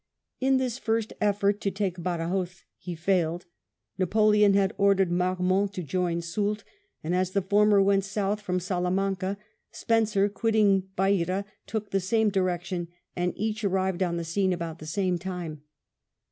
In this first effort to take Badajos he failed. Napoleon had ordered Marmont to join Soult, and as the former went south from Salamanca Spencer quitting Beira took the same direction, and each arrived on the scene about the same time.